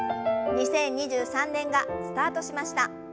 ２０２３年がスタートしました。